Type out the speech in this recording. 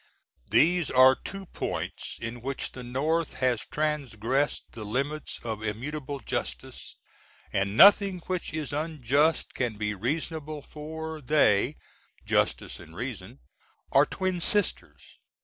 These are 2 points in which the North has transgressed the limits of immutable Justice, and nothing which is unjust can be reasonable, for, they (Just. & Reas.) are twin sisters.